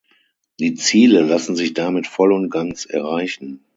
Die Ziele lassen sich damit voll und ganz erreichen.